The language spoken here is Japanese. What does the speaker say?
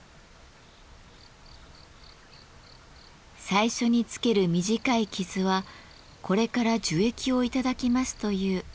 最初につける短い傷はこれから樹液を頂きますというご挨拶。